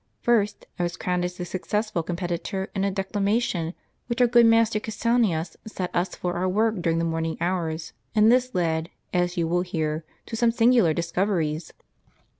First, I was crowned as the successful competitor in a declamation, which our good master Cassianus set us for our work during the morning hours ; and this led, as you will hear, to some singular discoveries.